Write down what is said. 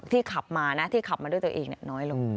ขับมานะที่ขับมาด้วยตัวเองน้อยลง